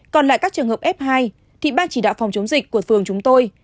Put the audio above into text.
còn lại các trường hợp f hai thì ban chỉ đạo phòng chống dịch của phường chúng tôi